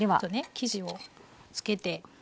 生地をつけて。